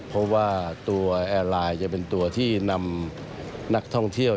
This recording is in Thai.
เพราะว่าตัวแอร์ไลน์จะเป็นตัวที่นำนักท่องเที่ยว